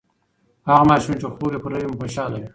هغه ماشوم چې خوب یې پوره وي، خوشاله وي.